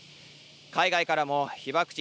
海外からも被爆地